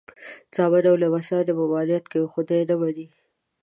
زامن او لمسیان یې ممانعت کوي خو دی یې نه مني.